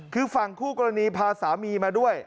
คือฝั่งคู่กรณีพาสามีมาด้วย